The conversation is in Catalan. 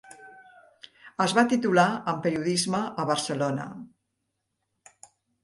Es va titular en periodisme a Barcelona.